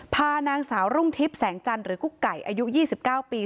พานางสาวรุ่งทิพย์แสงจันทร์หรือกุ๊กไก่อายุ๒๙ปี